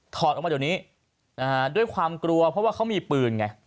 อดออกมาเดี๋ยวนี้นะฮะด้วยความกลัวเพราะว่าเขามีปืนไง